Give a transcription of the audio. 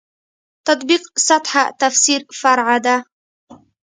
تطبیق سطح تفسیر فرع ده.